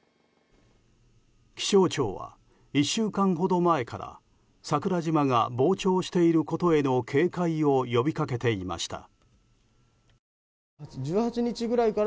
気象庁は１週間ほど前から桜島が膨張していることへの警戒を呼びかけていました。